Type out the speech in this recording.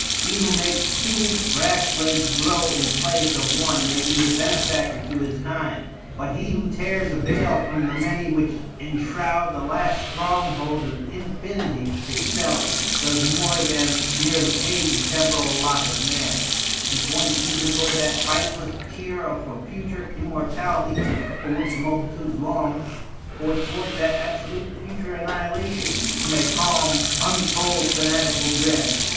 He who makes two grass blades grow in place of one may be a benefactor to his kind ; but he who tears a veil from the many which enshroud the last stronghold of infinity itself does more than merely aid the temporal lot of man ; he points either toward that priceless cheer of a future immortality for which multitudes lone, or toward that absolute future annihilation which may calm untold fanatical dread.